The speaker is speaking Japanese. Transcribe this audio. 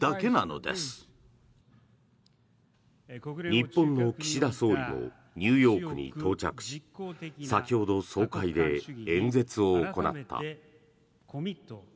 日本の岸田総理もニューヨークに到着し先ほど、総会で演説を行った。